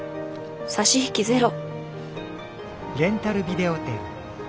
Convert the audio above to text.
差し引きゼロ。